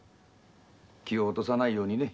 気を落とさぬようにな。